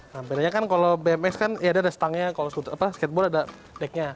nah bedanya kan kalau bmx kan ada setangnya kalau skateboard ada decknya